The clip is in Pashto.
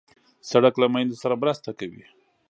سړک له میندو سره مرسته کوي.